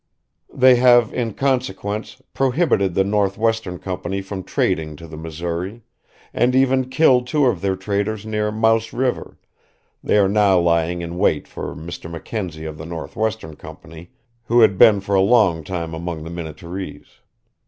They have, in consequence, prohibited the Northwestern Company from trading to the Missouri, and even killed two of their traders near Mouse River; they are now lying in wait for Mr. McKenzie of the Northwestern Company, who had been for a long time among the Minnetarees.